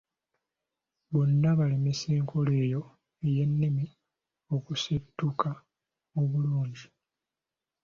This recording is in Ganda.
Bonna balemesa enkola eyo ey’ennimi okuseetuka obululngi.